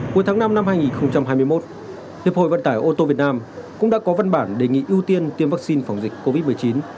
cuối tháng năm năm hai nghìn hai mươi một hiệp hội vận tải ô tô việt nam cũng đã có văn bản đề nghị ưu tiên tiêm vaccine phòng dịch covid một mươi chín